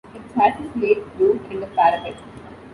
It has a slate roof and a parapet.